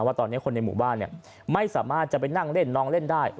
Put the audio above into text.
ว่าตอนนี้คนในหมู่บ้านไม่สามารถจะไปนั่งเล่นน้องเล่นได้